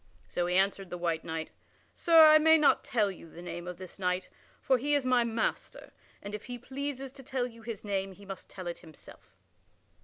So he answered the white knight: "Sir, I may not tell you the name of this knight, for he is my master, and if he pleases to tell you his name he must tell it himself."